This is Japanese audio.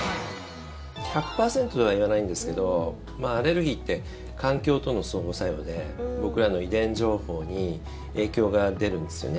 １００％とは言わないんですけどアレルギーって環境との相互作用で僕らの遺伝情報に影響が出るんですよね。